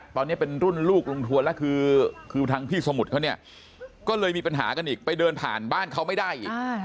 ตอนนี้เป็นรุ่นลูกลุงทวนแล้วคือทางพี่สมุทรเขาเนี่ยก็เลยมีปัญหากันอีกไปเดินผ่านบ้านเขาไม่ได้อีก